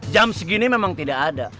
jam segini memang tidak ada